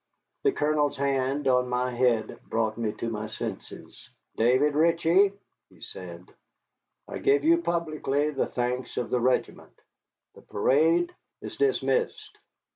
The Colonel's hand on my head brought me to my senses. "David Ritchie," he said, "I give you publicly the thanks of the regiment. The parade is dismissed."